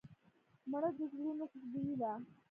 مړه د زړونو خوشبويي وه